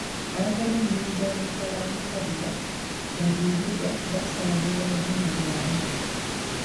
Abatalina mirimu gya nkalakkalira mu bibuga basaana badde mu byalo.